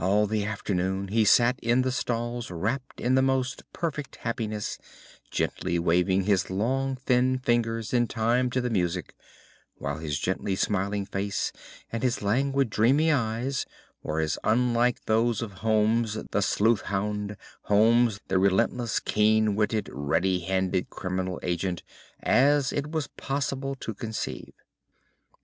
All the afternoon he sat in the stalls wrapped in the most perfect happiness, gently waving his long, thin fingers in time to the music, while his gently smiling face and his languid, dreamy eyes were as unlike those of Holmes the sleuth hound, Holmes the relentless, keen witted, ready handed criminal agent, as it was possible to conceive.